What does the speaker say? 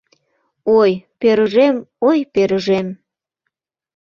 Ой, пӧрыжем, ой, пӧрыжем